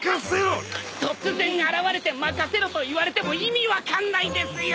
突然現れて任せろと言われても意味分かんないですよ。